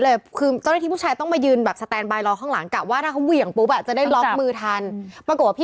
แต่มันจะนู่นมันจะมาหลังเที่ยงคืนมาก่อน